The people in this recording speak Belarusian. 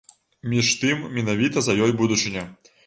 Між тым, менавіта за ёй будучыня.